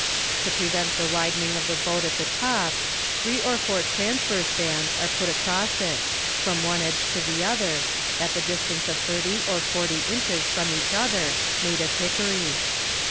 To prevent the widening of the boat at the top, three or four transverse bands are put across it, from one edge to the other, at the distance of thirty or forty inches from each other, made of hickory.